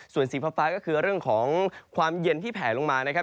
ส่วนสีฟ้าก็คือเรื่องของความเย็นที่แผลลงมานะครับ